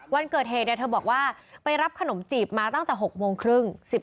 วันเกิดเหตุเธอบอกว่าไปรับขนมจีบมาตั้งแต่๖โมงครึ่ง